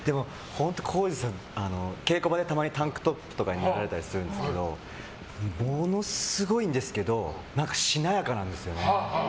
耕史さん、稽古場でたまにタンクトップとかになられたりするんですけどものすごいんですけど何か、しなやかなんですよね。